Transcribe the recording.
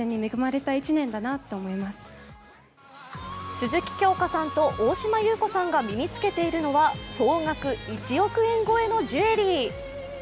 鈴木京香さんと大島優子さんが身に着けているのは総額１億円超えのジュエリー。